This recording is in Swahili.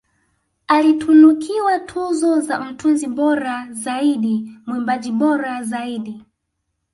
Alitunukiwa tuzo za Mtunzi bora zaidi mwimbaji bora zaidi